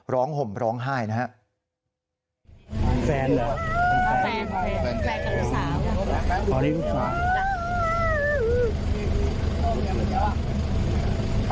ห่มร้องไห้นะครับ